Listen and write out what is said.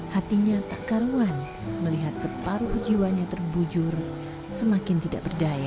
hatinya tak karuan melihat separuh jiwanya terbujur semakin tidak berdaya